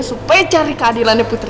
supaya cari keadilannya putri